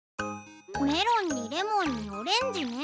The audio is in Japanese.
メロンにレモンにオレンジね。